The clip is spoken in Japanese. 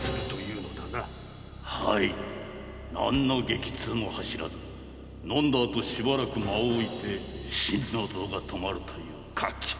はい何の激痛も走らず飲んだ後しばらく間をおいて心の臓が止まるという画期的な薬物が。